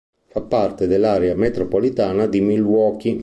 Fa parte dell'area metropolitana di Milwaukee.